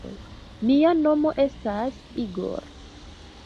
Mia nomo estas Igor.